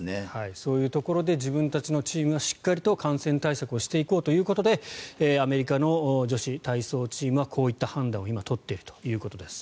そういうところで自分たちのチームがしっかり感染対策をしていこうということでアメリカの女子体操チームはこういった判断を今、取っているということです。